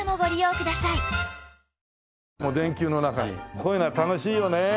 こういうのは楽しいよね。